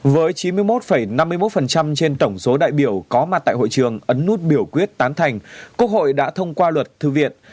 với chín mươi một năm mươi một trên tổng số đại biểu có mặt tại hội trường ấn nút biểu quyết tán thành quốc hội đã thông qua luật thư viện